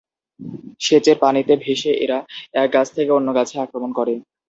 সেচের পানিতে ভেসে এরা এক গাছ থেকে অন্য গাছে আক্রমণ করে।